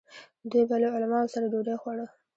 دوی به له علماوو سره ډوډۍ خوړه.